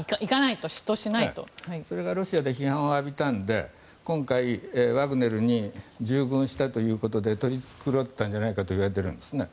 それがロシアで批判を浴びたので今回、ワグネルに従軍したということで取り繕ったんじゃないかといわれているんですね。